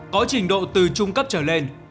có trình độ từ trung cấp trở lên